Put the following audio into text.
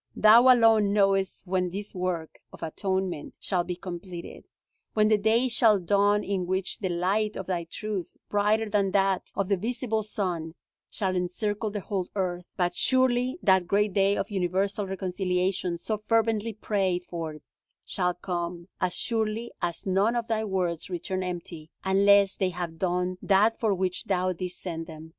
Thou alone knowest when this work of atonement shall be completed; when the day shall dawn in which the light of Thy truth, brighter than that of the visible sun, shall encircle the whole earth. But surely that great day of universal reconciliation, so fervently prayed for, shall come, as surely as none of Thy words return empty, unless they have done that for which Thou didst send them.